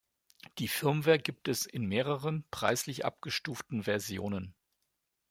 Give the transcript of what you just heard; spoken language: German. Die Firmware gibt es in mehreren, preislich abgestuften Versionen.